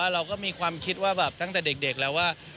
เราก็มีความคิดว่าแบบตั้งแต่เด็กแล้วว่า